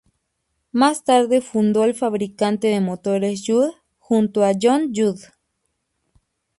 Más tarde fundó el fabricante de motores Judd junto a John Judd.